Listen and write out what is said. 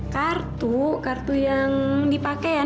kartu kartu yang dipakean